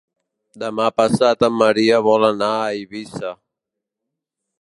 Demà passat en Maria vol anar a Eivissa.